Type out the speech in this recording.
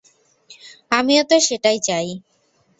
আমিও তো সেটাই চাই।